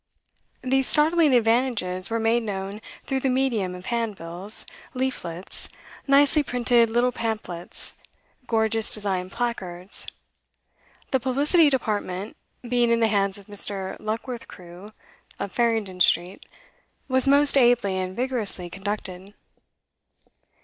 These startling advantages were made known through the medium of hand bills, leaflets, nicely printed little pamphlets, gorgeously designed placards; the publicity department, being in the hands of Mr. Luckworth Crewe, of Farringdon Street, was most ably and vigorously conducted.